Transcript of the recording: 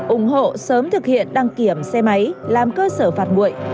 ủng hộ sớm thực hiện đăng kiểm xe máy làm cơ sở phạt nguội